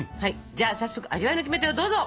じゃあ早速味わいのキメテをどうぞ！